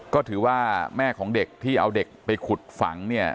ก็ถือว่าแม่ของเด็กที่เอาเด็กไปขุดฝังเนี่ย